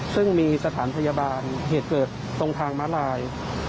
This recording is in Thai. ซึ่งมีสถานพยาบาลเหตุเกิดตรงทางม้าลาย